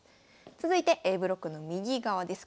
続いてＡブロックの右側です。